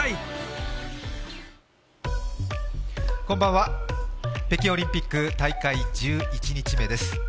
こんばんは、北京オリンピック大会１１日目です。